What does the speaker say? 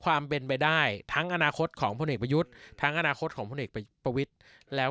ความเป็นไปได้ทั้งอนาคตของประวิติพยุทธ์ทั้งอนาคตของประวิติแล้ว